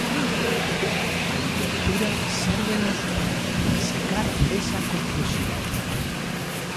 A literatura sérvenos para disecar esa complexidade?